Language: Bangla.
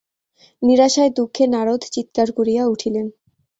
নিরাশায় দুঃখে নারদ চীৎকার করিয়া উঠিলেন।